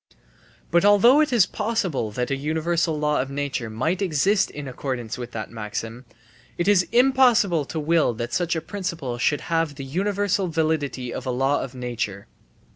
But although it is possible that a universal law of nature might exist in accordance with that maxim, it is impossible to will that such a principle should have the universal validity of a law of nature.